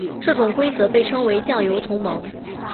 这种规则被称为酱油同盟。